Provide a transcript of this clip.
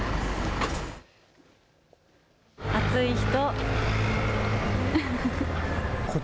暑い人。